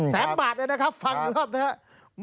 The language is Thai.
แสนบาทเลยนะครับฟังอีกรอบนะครับ